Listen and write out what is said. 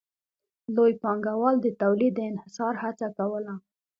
لوی پانګوال د تولید د انحصار هڅه کوله